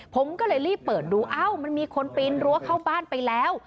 ผมก็เลยรีบเปิดดูเอ้ามันมีคนปีนรั้วเข้าบ้านไปแล้ว